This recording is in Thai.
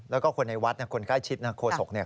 แล้วก็คนในวัดคนใกล้ชิดนะโคศกเนี่ย